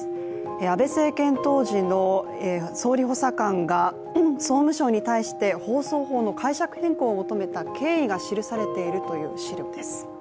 安倍政権当時の総理補佐官が総務省に対して、放送法の解釈変更を求めた経緯が記されているという資料です。